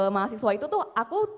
mahasiswa itu tuh aku